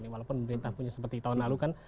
walaupun pemerintah punya seperti tahun lalu kan